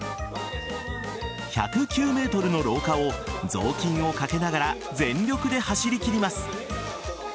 １０９ｍの廊下を雑巾をかけながら全力で走りきります。